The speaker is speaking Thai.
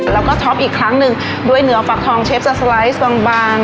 แล้วก็ท็อปอีกครั้งหนึ่งด้วยเนื้อฟักทองเชฟจะสไลด์บาง